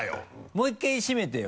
もう１回閉めてよ